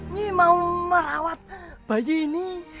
ini mau merawat bayi ini